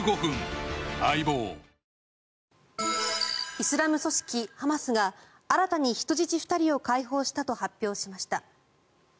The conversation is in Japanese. イスラム組織ハマスが新たに人質２人を解放したと発表しました。